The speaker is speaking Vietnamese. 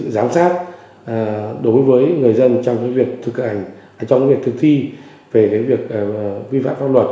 giám sát đối với người dân trong việc thực thi về việc vi phạm pháp luật